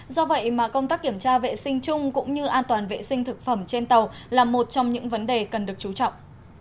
do vậy mà công tác kiểm tra vệ sinh chung cũng như an toàn vệ sinh thực phẩm trên tàu là một trong những vấn đề cần được chú trọng